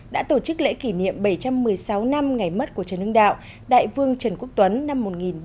đã tổ chức lễ kỷ niệm bảy trăm một mươi sáu năm ngày mất của trần hưng đạo đại vương trần quốc tuấn năm một nghìn ba trăm linh hai nghìn một mươi sáu